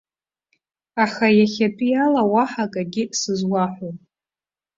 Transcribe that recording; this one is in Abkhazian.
Аха иахьатәи ала уаҳа акгьы сызуаҳәом.